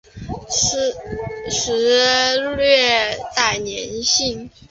湿时略带黏性。